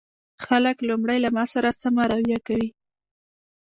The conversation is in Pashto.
خلک لومړی له ما سره سمه رويه کوي